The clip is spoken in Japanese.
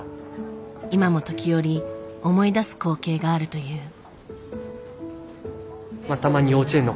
今も時折思い出す光景があるという。